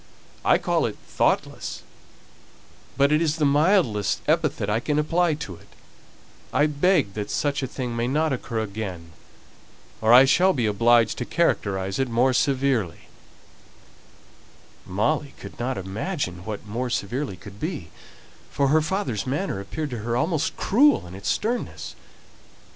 I call it thoughtless, but it's the mildest epithet I can apply to it. I beg that such a thing may not occur again, or I shall be obliged to characterize it more severely." [Illustration: "I TRUST THIS WILL NEVER OCCUR AGAIN, CYNTHIA!"] Molly could not imagine what "more severely" could be, for her father's manner appeared to her almost cruel in its sternness.